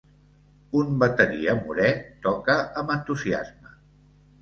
Un bateria morè toca amb entusiasme.